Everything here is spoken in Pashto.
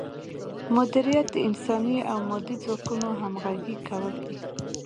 مدیریت د انساني او مادي ځواکونو همغږي کول دي.